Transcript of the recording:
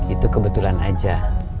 itu kebetulan aja